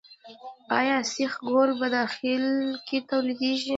آیا سیخ ګول په داخل کې تولیدیږي؟